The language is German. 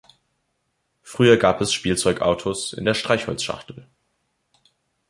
Früher gab es Spielzeugautos in der Streichholzschachtel.